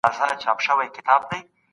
باید د څېړنې هدف په دقت سره وټاکل سي.